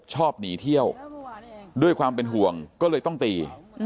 ชอบหนีเที่ยวด้วยความเป็นห่วงก็เลยต้องตี